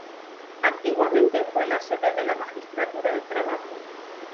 Antiguamente fue la sede de la Magistratura de Trabajo.